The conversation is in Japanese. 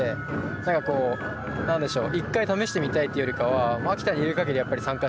なんかこうなんでしょう。